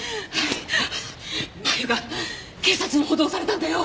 麻友が警察に補導されたんだよ！